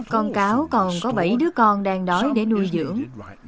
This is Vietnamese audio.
con cáo còn có bảy đứa con đang đói để nuôi dưỡng